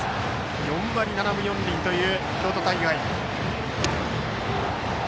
４割７分４厘という京都大会。